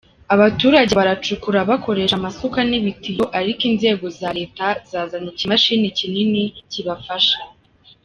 Abaturage baracukura bakoresha amasuka n'ibitiyo, ariko inzego za leta zazanye ikimashini kinini kibafasha.